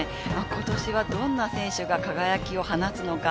今年はどんな選手が輝きを放つのか、